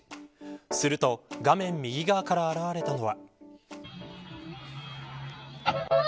すると画面右側から現れたのは。